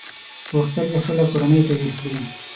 غوښتل يې خپله کورنۍ تغيير کړي.